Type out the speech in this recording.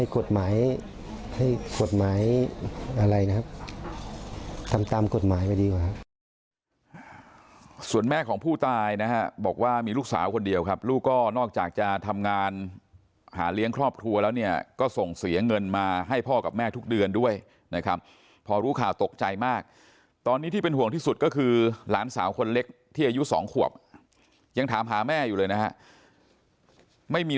กฎหมายให้กฎหมายอะไรนะครับทำตามกฎหมายไปดีกว่าครับส่วนแม่ของผู้ตายนะฮะบอกว่ามีลูกสาวคนเดียวครับลูกก็นอกจากจะทำงานหาเลี้ยงครอบครัวแล้วเนี่ยก็ส่งเสียเงินมาให้พ่อกับแม่ทุกเดือนด้วยนะครับพอรู้ข่าวตกใจมากตอนนี้ที่เป็นห่วงที่สุดก็คือหลานสาวคนเล็กที่อายุสองขวบยังถามหาแม่อยู่เลยนะฮะไม่มี